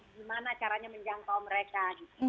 gimana caranya menjangkau mereka